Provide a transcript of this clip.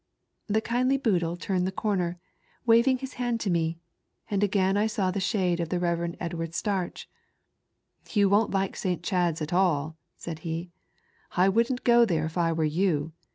The kindly Boodle turned the comer, waving his hand to me ; and again I saw the shade of the Rev. Edward Starch. "You won't like St. Chad's at all," said he, "I wouldn't go there if I were you.